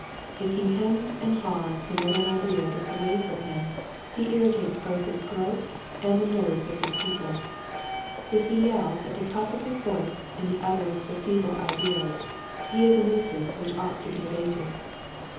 If he hems and haws whenever an idea gets away from 170 Quiet Hints to Growing Preachers. him he irritates both his throat and the nerves of his people. If he yells at the top of his voice in the utterance of feeble ideas he is a nuisance which ought to be abated.